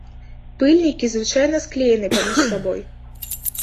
Пыльнікі звычайна склеены паміж сабой.